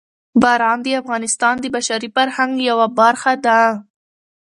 باران د افغانستان د بشري فرهنګ یوه برخه ده.